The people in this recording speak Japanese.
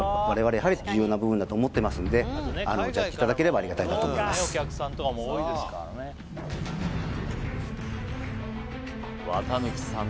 中にはな部分だと思ってますんでジャッジいただければありがたいなと思います綿貫さん